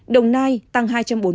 đồng nai tăng hai trăm bốn mươi sáu